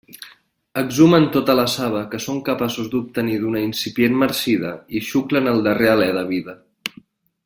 Exhumen tota la saba que són capaços d'obtenir d'una incipient marcida i xuclen el darrer alé de vida.